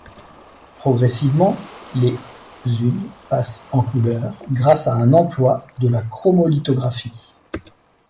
Progressivement, les unes passent en couleurs, grâce à un emploi de la chromolithographie.